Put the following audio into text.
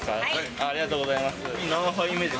ありがとうございます。